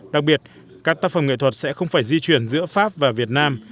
đặc biệt các tác phẩm nghệ thuật sẽ không phải di chuyển giữa pháp và việt nam